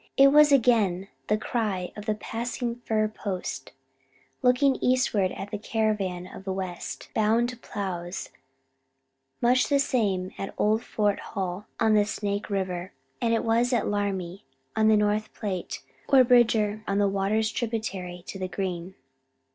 It was again the cry of the passing fur post, looking eastward at the caravan of the west bound plows; much the same here at old Fort Hall, on the Snake River, as it was at Laramie on the North Platte, or Bridger on the waters tributary to the Green.